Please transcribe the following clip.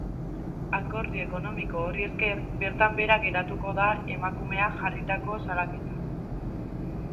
Akordio ekonomiko horri esker, bertan behera geratuko da emakumeak jarritako salaketa.